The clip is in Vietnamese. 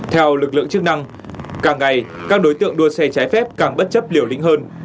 theo lực lượng chức năng càng ngày các đối tượng đua xe trái phép càng bất chấp liều lĩnh hơn